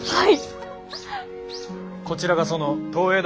はい。